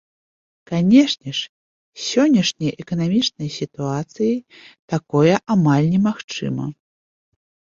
Канешне ж, з сённяшняй эканамічнай сітуацыяй такое амаль немагчыма.